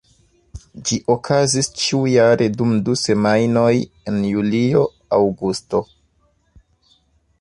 Ĝi okazis ĉiujare dum du semajnoj en julio-aŭgusto.